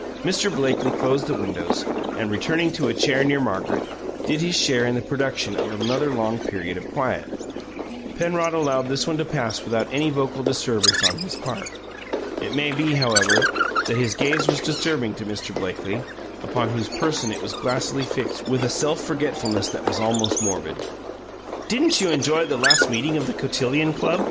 Mr. Blakely closed the windows, and, returning to a chair near Margaret, did his share in the production of another long period of quiet. Penrod allowed this one to pass without any vocal disturbance on his part. It may be, however, that his gaze was disturbing to Mr. Blakely, upon whose person it was glassily fixed with a self forgetfulness that was almost morbid. "Didn't you enjoy the last meeting of the Cotillion Club?"